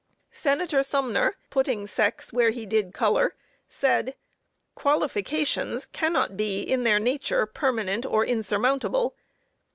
Senator Sumner, putting sex where he did color, said: "Qualifications cannot be in their nature permanent or insurmountable.